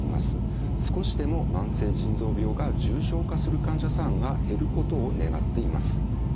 少しでも慢性腎臓病が重症化する患者さんが減ることを願っています。